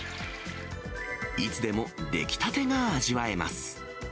いつでも出来たてが味わえます。